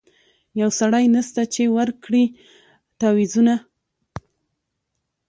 یو سړی نسته چي ورکړي تعویذونه